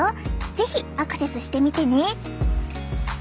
是非アクセスしてみてね。